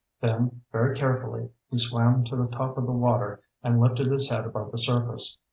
Then, very carefully, he swam to the top of the water and lifted his head above the surface.